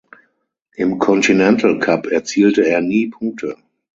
Im Continental Cup erzielte er nie Punkte.